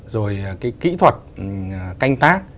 rồi cái kỹ thuật canh tác